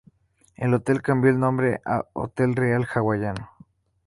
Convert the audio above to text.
El hotel cambió el nombre a "Hotel Real Hawaiano".